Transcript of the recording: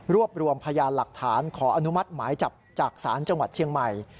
รวมรวมพยานหลักฐานขออนุมัติหมายจับจากศาลจังหวัดเชียงใหม่